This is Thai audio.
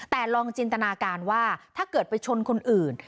แต่ลองจินตนาการว่าถ้าเกิดไปชนคนอื่น